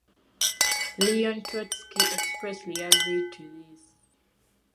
Leon Trotsky expressly agreed to this.